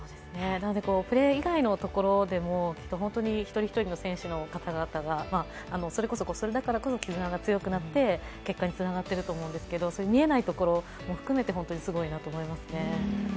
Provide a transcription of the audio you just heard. プレー以外のところでも一人一人の選手の方々がそれこそ空気が強くなって結果につながっていると思うんですけど見えないところも含めてすごいなと思いますね。